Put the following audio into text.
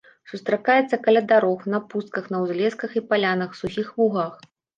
Сустракаецца каля дарог, на пустках, на ўзлесках і палянах, сухіх лугах.